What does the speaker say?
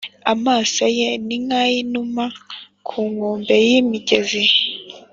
Amaso ye ni nk’ay’inuma ku nkombe y’imigezi,